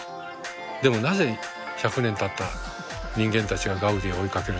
でもなぜ１００年たった人間たちがガウディを追いかけるのか。